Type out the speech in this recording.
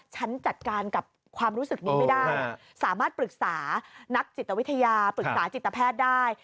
ฉันจัดการกับความรู้สึกนี้ไม่ได้สามารถปรึกษานักจิตวิทยาปรึกษาจิตแพทย์ได้